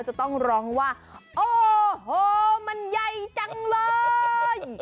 จะต้องร้องว่าโอ้โหมันใหญ่จังเลย